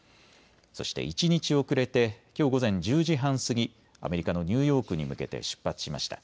そして一日遅れてきょう午前１０時半過ぎ、アメリカのニューヨークに向けて出発しました。